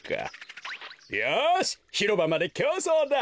よしひろばまできょうそうだ！